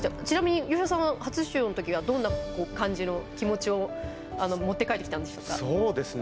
ちなみに、吉田さんは初出場の時にはどんな感じの気持ちを持って帰ってきたんですか？